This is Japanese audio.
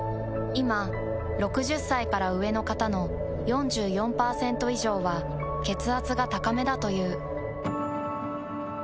いま６０歳から上の方の４４％以上は血圧が高めだという。